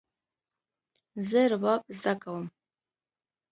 زه رباب زده کوم